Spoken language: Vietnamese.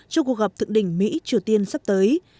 cho cuộc gặp thượng đỉnh mỹ triều tiên sắp tới